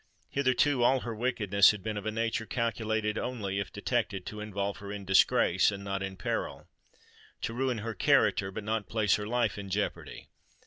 Hitherto all her wickedness had been of a nature calculated only, if detected, to involve her in disgrace, and not in peril—to ruin her character, but not place her life in jeopardy!